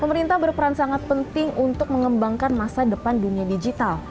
pemerintah berperan sangat penting untuk mengembangkan masa depan dunia digital